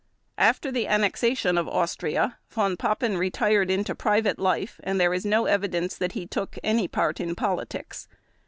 After the annexation of Austria Von Papen retired into private life and there is no evidence that he took any part in politics.